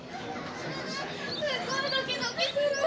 すっごいドキドキするね。